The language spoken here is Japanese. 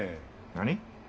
何？